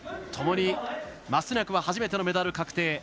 ともにマストニャクは初めてのメダル確定